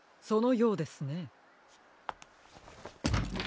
そのようですね。